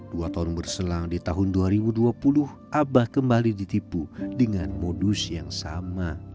dua tahun berselang di tahun dua ribu dua puluh abah kembali ditipu dengan modus yang sama